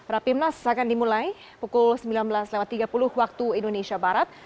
rapimnas akan dimulai pukul sembilan belas tiga puluh waktu indonesia barat